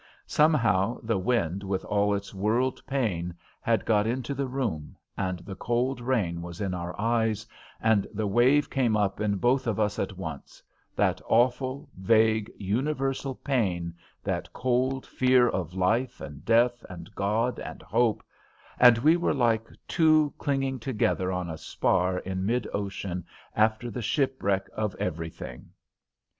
Somehow the wind with all its world pain had got into the room, and the cold rain was in our eyes, and the wave came up in both of us at once that awful vague, universal pain, that cold fear of life and death and God and hope and we were like two clinging together on a spar in mid ocean after the shipwreck of everything.